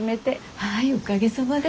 はいおかげさまで。